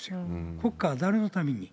国家は誰のために。